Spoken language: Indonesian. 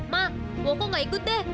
ma woko gak ikut deh